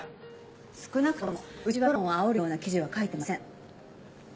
少なくともうちは世論をあおるような記事は書いてません。